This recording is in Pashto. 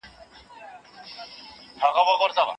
موږ باید په ټولنه کې اصلاحات راوړو.